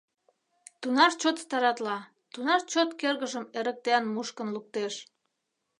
Тунар чот старатла, тунар чот кӧргыжым эрыктен-мушкын луктеш...